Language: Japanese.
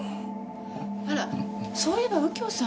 あらそういえば右京さん